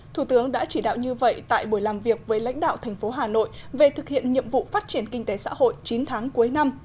thủ tướng đã chỉ đạo như vậy tại buổi làm việc với lãnh đạo thành phố hà nội về thực hiện nhiệm vụ phát triển kinh tế xã hội chín tháng cuối năm